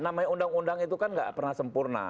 namanya undang undang itu kan nggak pernah sempurna